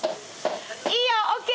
いいよＯＫ。